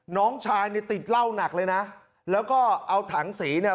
น้องชายเนี่ยติดเหล้าหนักเลยนะแล้วก็เอาถังสีเนี่ย